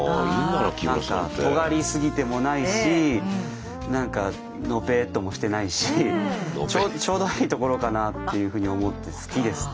何かとがり過ぎてもないし何かのぺっともしてないしちょうどいいところかなっていうふうに思って好きですね。